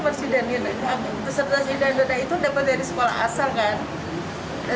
masa tahunya kan kalau nomor catahetan nomor sidan peserta sidan dana itu dapat dari sekolah asal kan